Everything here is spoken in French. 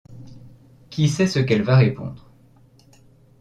Qui sait ce qu’elle va répondre?